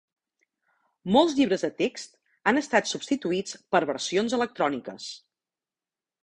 Molts llibres de text han estat substituïts per versions electròniques.